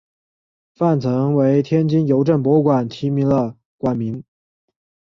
范曾为天津邮政博物馆题写了馆名。